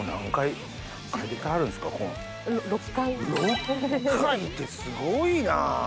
６回ってすごいな！